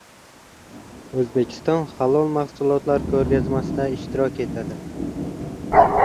O‘zbekiston halol mahsulotlar ko‘rgazmasida ishtirok etadi